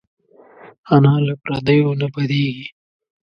انا له پردیو نه بدېږي